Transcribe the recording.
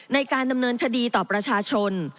ในการดำเนินคดีต่อประชาชน